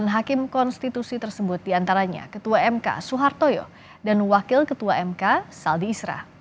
sembilan hakim konstitusi tersebut diantaranya ketua mk suhartoyo dan wakil ketua mk saldi isra